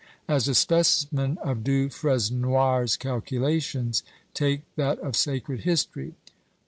As a specimen of Du Fresnoy's calculations, take that of Sacred History.